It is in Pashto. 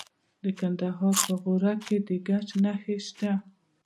د کندهار په غورک کې د ګچ نښې شته.